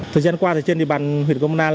thời gian qua trên địa bàn huyện công na